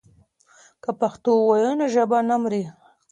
که پښتو ووایو نو ژبه نه مري.